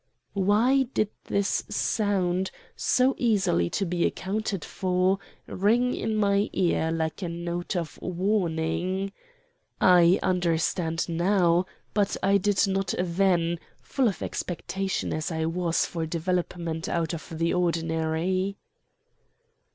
Why did this sound, so easily to be accounted for, ring in my ears like a note of warning? I understand now, but I did not then, full of expectation as I was for developments out of the ordinary.